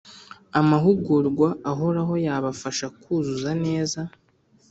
amahugurwa ahoraho yabafasha kuzuza neza